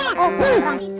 oh orang itu